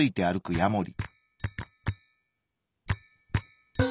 ヤモリ。